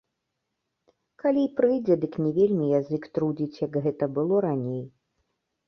Калі й прыйдзе, дык не вельмі язык трудзіць, як гэта было раней.